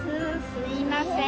すいません。